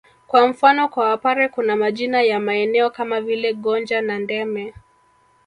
Kwa mfano kwa Wapare kuna majina ya maeneo kama vile Gonja na Ndeme